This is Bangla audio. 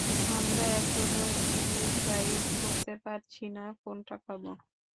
আমরা এখনো ডিসাইড করতে পারছি না কোনটা খাবো।